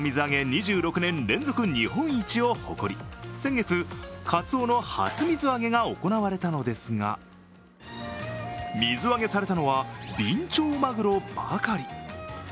２６年連続日本一を誇り、先月、カツオの初水揚げが行われたのですが、水揚げされたのはビンチョウマグロばかり。